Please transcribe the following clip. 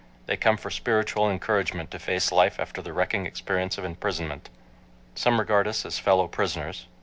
They come for spiritual encouragement to face life after the wrecking experience of imprisonment. Some regard us as "fellow prisoners."